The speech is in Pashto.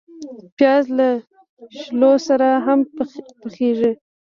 پیاز له شولو سره هم پخیږي